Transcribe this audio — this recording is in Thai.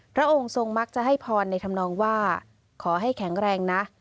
พระองค์ทรงมักจะให้พรในธรรมนองว่าขอให้แข็งแรงนะ